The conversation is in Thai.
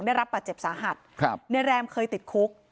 ได้รับปัจจ์เจ็บสาหัสเนียเรมเคยติดคุก